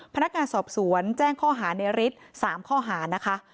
พนักงานสอบสวนแจ้งข้อหาในฤทธิ์๓ข้อหานะคะ